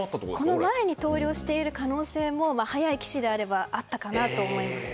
この前に投了している可能性も早い棋士であればあったかなと思います。